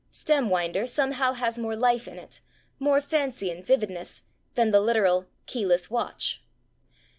/Stem winder/ somehow has more life in it, more fancy and vividness, than the literal /keyless watch